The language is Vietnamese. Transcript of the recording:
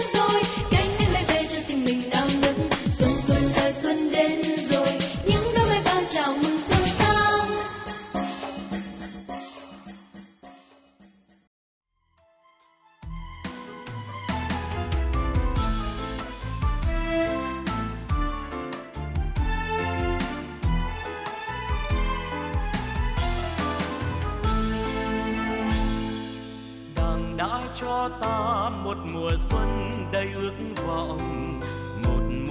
xuân xuân đời xuân đến rồi cánh đêm bay về cho tình mình đau ngực